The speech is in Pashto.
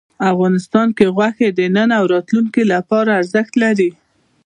افغانستان کې غوښې د نن او راتلونکي لپاره ارزښت لري.